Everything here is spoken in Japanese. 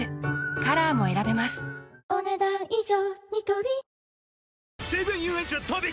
カラーも選べますお、ねだん以上。